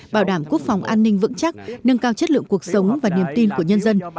bảo đảm quốc phòng an ninh vững chắc nâng cao chất lượng cuộc sống và niềm tin của nhân dân